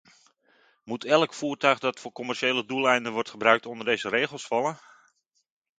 Moet elk voertuig dat voor commerciële doeleinden wordt gebruikt, onder deze regels vallen?